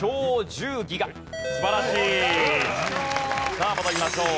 さあ戻りましょう。